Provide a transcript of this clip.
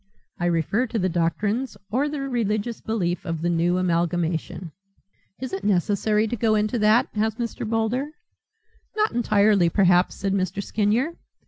I refer to the doctrines or the religious belief of the new amalgamation." "Is it necessary to go into that?" asked Mr. Boulder. "Not entirely, perhaps," said Mr. Skinyer.